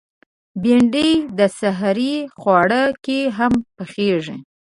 بېنډۍ د سحري خواړه کې هم پخېږي